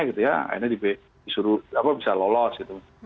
akhirnya disuruh bisa lolos